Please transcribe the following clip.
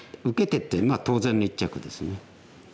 受けてってまあ当然の一着ですね。